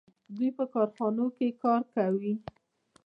دوی په کارخانو کې کار کوي.